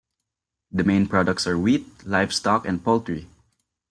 The main products are wheat, livestock, and poultry.